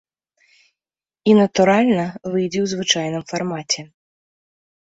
І, натуральна, выйдзе ў звычайным фармаце.